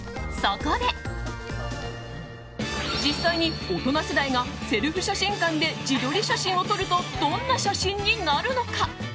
そこで実際に大人世代がセルフ写真館で自撮り写真を撮るとどんな写真になるのか。